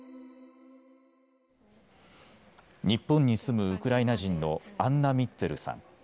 「日本に住むウクライナ人のアンナ・ミッツェルさん。